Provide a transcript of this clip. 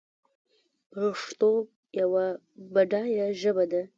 پښتو یوه بډایه ژبه ده.